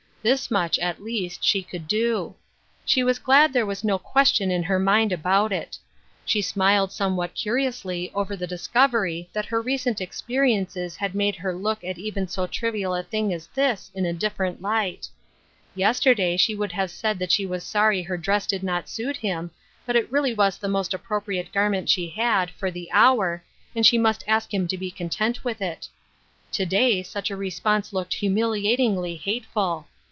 This much, at least, she could do ; she was glad there was no question in her mind about it. She smiled somewhat curiously over the discovery that her recent experiences had made her look at even so trivial a thing as this in a different light. Yester day she would have said that she was sorry her dress did not suit him, but it really was the most appropriate garment" she had, for the hour, and she must ask him to be content with it. To day such a response looked humiliatingly hateful.